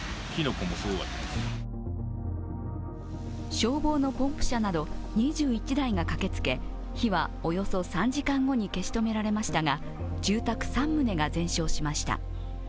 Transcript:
消防のポンプ車など２１台が駆けつけ火はおよそ３時間後に消し止められましたが住宅３棟が全焼しました。